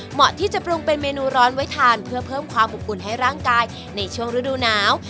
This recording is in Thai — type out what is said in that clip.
เหมาะที่จะปรุงเป็นเมนูร้อนไว้ทานเพื่อเพิ่มความอบอุ่นให้ร่างกายในช่วงฤดูหนาว